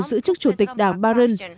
giữ chức chủ tịch đảng barron